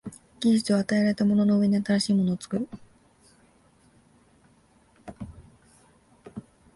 技術は与えられたものの上に新しいものを作る。